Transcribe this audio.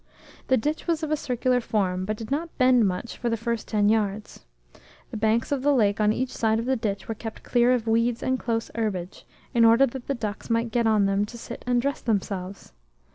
The ditch was of a circular form, but did not bend much for the first ten yards. The banks of the lake on each side of the ditch were kept clear of weeds and close herbage, in order that the ducks might get on them to sit and dress themselves.